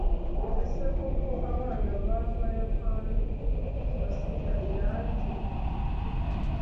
ese koko abana b'abayapani basiga irangi umutuku